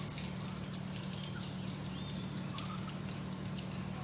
สุดท้ายสุดท้ายสุดท้าย